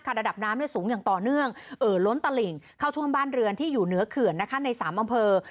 ระดับน้ำสูงอย่างต่อเนื่องเอ่อล้นตลิ่งเข้าท่วมบ้านเรือนที่อยู่เหนือเขื่อนนะคะใน๓อำเภอ